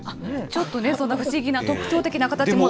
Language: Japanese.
ちょっとね、そんな不思議な特徴的な形も。